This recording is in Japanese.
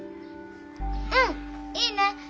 うんいいね。